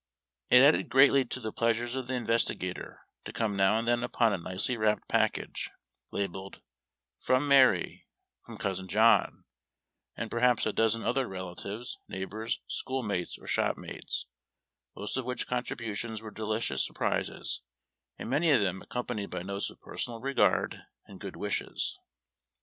It added greatly to the pleasures of the investigator to come now and then upon a nicely wrapped package, labelled " From Mary," " From Cousin John," and perhaps a dozen other relatives, neighbors, school mates or shop mates, most of which contributions were delicious surprises, and many of them accompanied by notes of personal regard and good wishes.